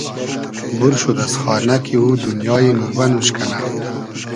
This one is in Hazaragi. بور شود از خانۂ کی او دونیای نوربئن اوش کئنۂ